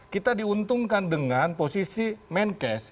kita diuntungkan dengan posisi main case